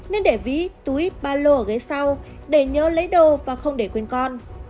nên để ví túi ba lô ở ghế sau để nhớ lấy đồ và không để quên con